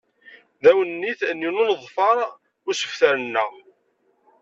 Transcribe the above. D awennit n yiwen uneḍfar usebter-nneɣ.